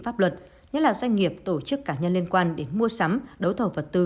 pháp luật như là doanh nghiệp tổ chức cả nhân liên quan đến mua sắm đấu thầu vật tư